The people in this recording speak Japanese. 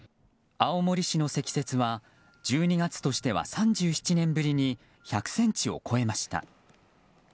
青森市の積雪は１２月としては３７年ぶりに１００ｃｍを超えました。